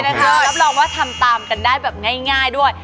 รับรองว่าทำตามกันได้แบบง่ายด้วย